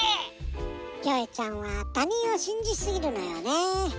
キョエちゃんはたにんをしんじすぎるのよねー。